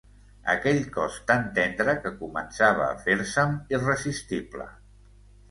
Aquell cos tan tendre que començava a fer-se'm irresistible.